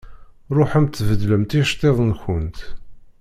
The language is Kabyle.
Ṛuḥemt beddlemt iceṭṭiḍent-nkent.